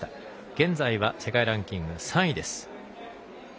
現在は世界ランキング３位です。